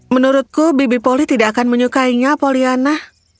menurutku bibi polly tidak akan menyukainya pollyanna